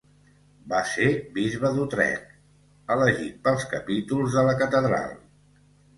Va ser bisbe d'Utrecht elegit pels capítols de la catedral.